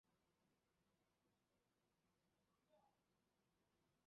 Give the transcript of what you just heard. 莫哈维牧场庄园是位于美国亚利桑那州莫哈维县的一个人口普查指定地区。